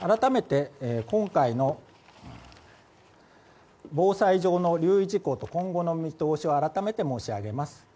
改めて今回の防災上の留意事項と今後の見通しを改めて申し上げます。